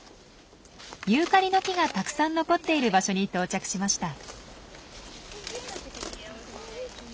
ユーカリの木がたくさん残っている場所に到着しました。